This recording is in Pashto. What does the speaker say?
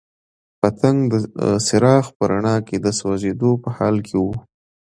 پتنګ د څراغ په رڼا کې د سوځېدو په حال کې وو.